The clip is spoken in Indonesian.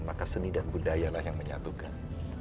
maka seni dan budaya lah yang menyatukan